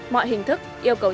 mọi hình thức yêu cầu